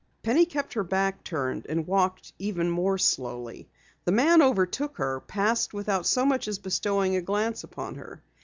Penny kept her back turned and walked even more slowly. The man overtook her, passed without so much as bestowing a glance upon her.